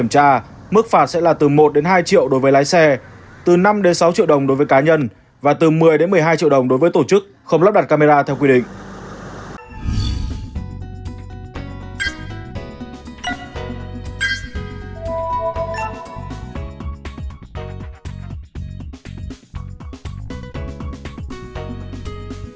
mức phạt sẽ là từ một hai triệu đối với lái xe từ năm sáu triệu đồng đối với cá nhân và từ một mươi một mươi hai triệu đồng đối với tổ chức không lắp đặt camera theo quy định